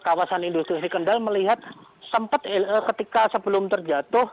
kawasan industri kendal melihat sempat ketika sebelum terjatuh